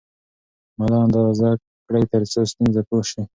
ملا اندازه کړئ ترڅو ستونزه پوه شئ.